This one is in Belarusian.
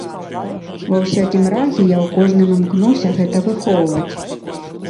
Ва ўсякім разе, я ў кожным імкнуся гэта выхоўваць.